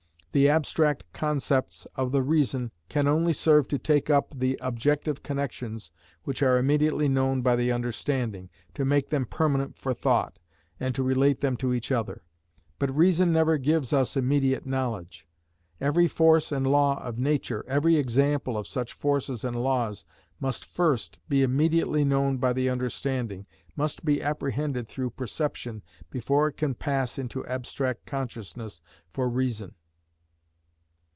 The abstract concepts of the reason can only serve to take up the objective connections which are immediately known by the understanding, to make them permanent for thought, and to relate them to each other; but reason never gives us immediate knowledge. Every force and law of nature, every example of such forces and laws, must first be immediately known by the understanding, must be apprehended through perception before it can pass into abstract consciousness for reason.